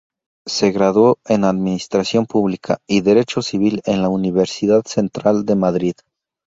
Se graduó en Administración Pública y Derecho Civil en la Universidad Central de Madrid.